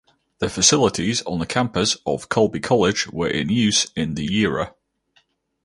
The facilities on the campus of Colby College were in use in the era.